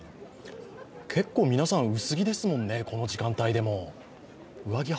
結構皆さん薄着ですもんね、この時間帯でも。